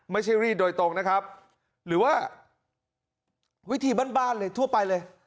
ไม่ใช่รีดโดยตรงนะครับหรือว่าวิธีบ้านบ้านเลยทั่วไปเลย